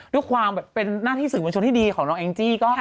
ด้วยความเป็นหน้าที่สื่อมวลชนที่ดีของน้องแองจี้